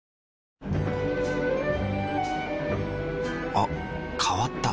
あ変わった。